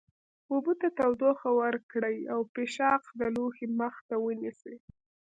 اوبو ته تودوخه ورکړئ او پیشقاب د لوښي مخ ته ونیسئ.